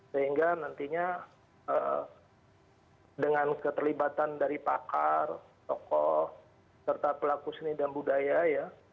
sehingga nantinya dengan keterlibatan dari pakar tokoh serta pelaku seni dan budaya ya